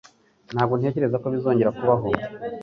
Ntabwo ntekereza ko bizongera kubaho